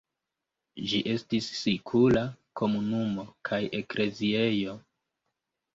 Ĝi estis sikula komunumo kaj ekleziejo.